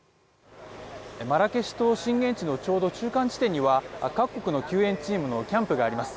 マラケシュと震源地のちょうど中間地点には各国の救援チームのキャンプがあります。